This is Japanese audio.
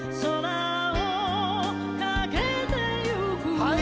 はい！